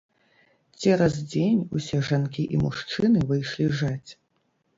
Цераз дзень усе жанкі і мужчыны выйшлі жаць.